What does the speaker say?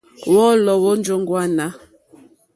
Wɔ́ɔ̌lɔ̀ wó jóŋɡwânà.